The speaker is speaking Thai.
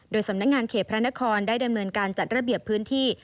สำนักงานเขตพระนครได้ดำเนินการจัดระเบียบพื้นที่